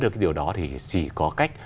được cái điều đó thì chỉ có cách